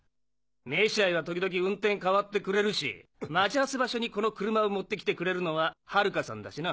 飯合は時々運転代わってくれるし待ち合わせ場所にこの車を持って来てくれるのは晴華さんだしな！